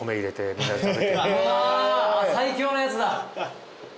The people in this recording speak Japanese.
最強のやつだ。